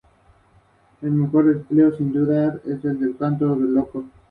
Un periodista enamorado de ella, intentará descubrir la verdad sobre el caso.